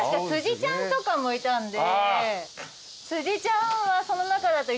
辻ちゃんとかもいたんで。